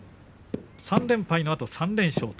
３連敗のあと３連勝。